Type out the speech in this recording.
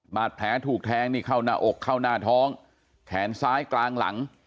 บาดแผลถูกแทงนี่เข้าหน้าอกเข้าหน้าท้องแขนซ้ายกลางหลัง